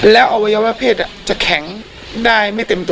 แล้วเอาไว้ยอมว่าเพศจะแข็งได้ไม่เต็มตัว